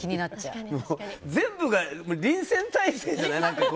全部が臨戦態勢じゃない？